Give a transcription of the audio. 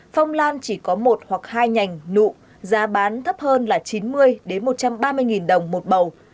phong lan chỉ có một hoặc hai nhành nụ giá bán thấp hơn là chín mươi một trăm ba mươi đồng một bầu